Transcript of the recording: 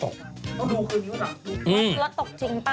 ต้องดูคือมีคุณหรอดูคุณหรอ